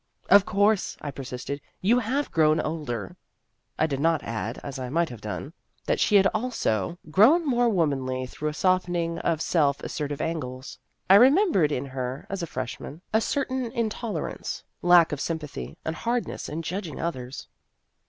" Of course," I persisted, " you have grown older." I did not add, as I might have done, that she had also grown more 1 86 Vassar Studies womanly through a softening of self as sertive angles. I remembered in her, as a freshman, a certain intolerance, lack of sympathy, and hardness in judging others.